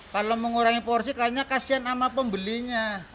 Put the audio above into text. kalau mengurangi porsi kayaknya kasian sama pembelinya